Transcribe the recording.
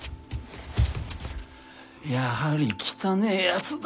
やはり汚えやつだ。